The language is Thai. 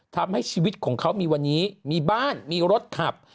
ทำให้ชีวิตของเขามีวันนี้มีบ้านมีรถขับ